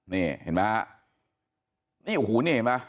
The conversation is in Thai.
นี่เห็นไหมฮะ